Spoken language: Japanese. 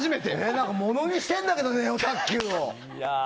何か、ものにしてるんだけどネオ卓球を！